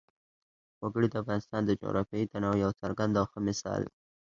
وګړي د افغانستان د جغرافیوي تنوع یو څرګند او ښه مثال دی.